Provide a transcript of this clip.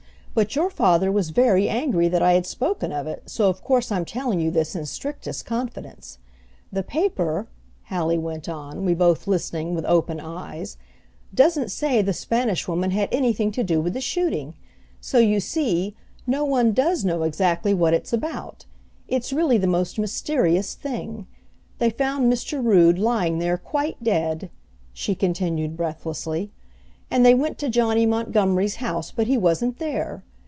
But your father was very angry that I had spoken of it, so of course I'm telling you this in strictest confidence. The paper," Hallie went on, we both listening with open eyes, "doesn't say the Spanish Woman had anything to do with the shooting. So you see, no one does know exactly what it's about. It's really the most mysterious thing! They found Mr. Rood lying there quite dead," she continued breathlessly, "and they went to Johnny Montgomery's house, but he wasn't there.